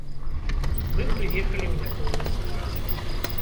Мы прыехалі ў няпоўным складзе.